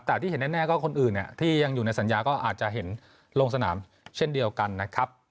แต่ที่เห็นแน่ก็คนอื่นที่ยังอยู่ในสัญญาก็อาจจะเห็นลงสนามเช่นเดียวกันนะครับ